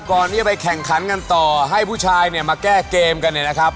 ก่อนที่จะไปแข่งขันกันต่อให้ผู้ชายเนี่ยมาแก้เกมกันเนี่ยนะครับ